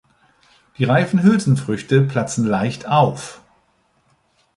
Die reifen Hülsenfrüchte platzen leicht auf.